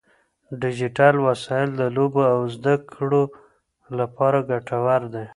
ډیجیټل وسایل د لوبو او زده کړو لپاره ګټور دي.